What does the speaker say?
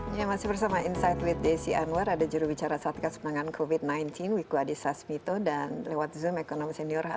sampai jumpa di video selanjutnya